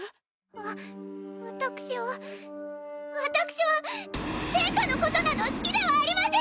わ私は私は殿下のことなど好きではありません！